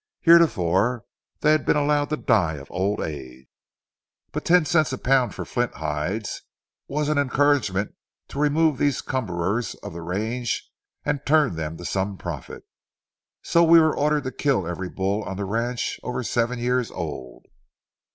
Heretofore they had been allowed to die of old age, but ten cents a pound for flint hides was an encouragement to remove these cumberers of the range, and turn them to some profit. So we were ordered to kill every bull on the ranch over seven years old.